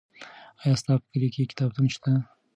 آیا ستا په کلي کې کتابتون شته؟